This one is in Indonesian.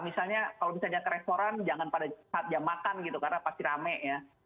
misalnya kalau misalnya ke restoran jangan pada saat jam makan gitu karena pasti rame ya